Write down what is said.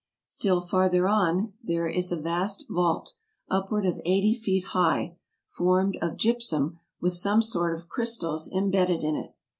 Still farther on there is a vast vault, upward of eighty feet high, formed of gypsum with some sort of crystals im bedded in it.